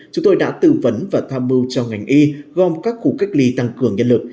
chúng tôi đã tư vấn và tham mưu cho ngành y gom các khu cách ly tăng cường nhân lực